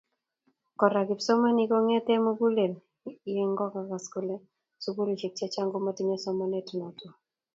Kora kipsomaninik kongete mugulel ye ngokas kole sukulisiek che chang komatinye somanet noto.